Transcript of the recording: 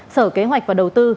sở kế hoạch và đầu tư